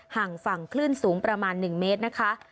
ห่างฝั่งคลื่นสูงประมาณ๑เมตรนะคะ